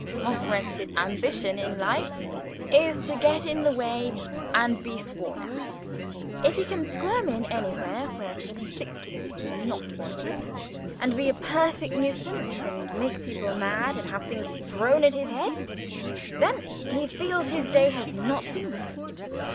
Montmorency's ambition in life, is to get in the way and be sworn at. If he can squirm in anywhere where he particularly is not wanted, and be a perfect nuisance, and make people mad, and have things thrown at his head, then he feels his day has not been wasted.